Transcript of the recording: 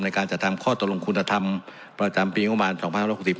ในการจัดทำข้อตรงคุณธรรมประจำปีเยี่ยมงบาล๒๑๖๕